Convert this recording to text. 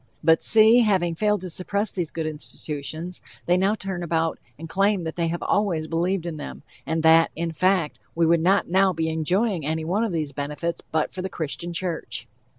But, see, having failed to suppress these good institutions, they now turn about and claim that they have always believed in them, and that, in fact, we would not now be enjoying any one of these benefits but for the Christian Church.